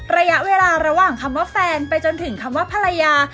ระยะเวลาระหว่างคำว่าแฟนไปจนถึงคำว่าภรรยา